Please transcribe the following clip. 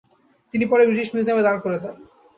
তিনি পরে ব্রিটিশ মিউজিয়ামে দান করে দেন।